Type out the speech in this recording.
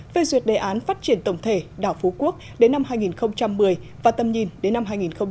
về duyệt đề án phát triển tổng thể đảo phú quốc đến năm hai nghìn một mươi và tầm nhìn đến năm hai nghìn ba mươi